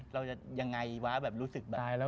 เราจะยังไงวะแบบรู้สึกแบบ